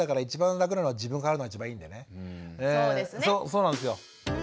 そうなんですよ。